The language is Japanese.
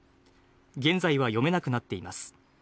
現在は読めなくなっています。